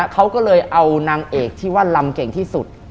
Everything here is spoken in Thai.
เขาก็เลยเอานางเอกที่ว่าลำเก่งที่สุด